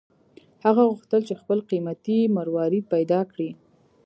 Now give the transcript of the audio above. هغه غوښتل چې خپل قیمتي مروارید پیدا کړي.